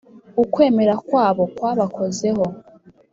ukwimera kwabo kwabakozeho